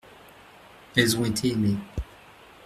Elles ont été aimées.